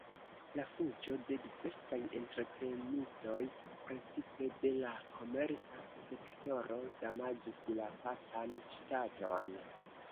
La fuĝo de diversaj entreprenistoj, precipe de la komerca sektoro, damaĝis la papan ŝtaton.